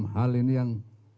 enam hal ini yang